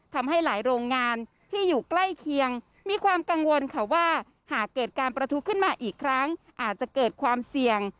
ทำให้หลายโรงงานที่อยู่ใกล้เคียงมีความกังวลค่ะว่าหากเกิดการประทุขึ้นมาอีกครั้งอาจจะเกิดความเสี่ยง